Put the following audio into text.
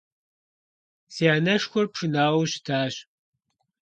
Си анэшхуэр пшынауэу щытащ.